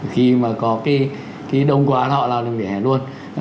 khi mà có cái đông quả họ lao lên vỉa hè luôn